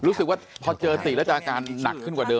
รู้สึกว่าพอเจอติแล้วจะอาการหนักขึ้นกว่าเดิ